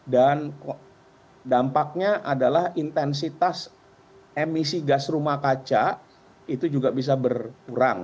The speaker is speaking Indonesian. dan dampaknya adalah intensitas emisi gas rumah kaca itu juga bisa berkurang